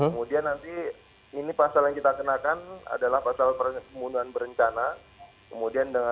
kemudian nanti ini pasal yang kita kenakan adalah pasal pembunuhan berencana